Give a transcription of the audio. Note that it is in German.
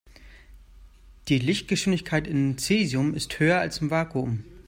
Die Lichtgeschwindigkeit in Cäsium ist höher als im Vakuum.